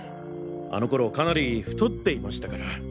あの頃かなり太っていましたから。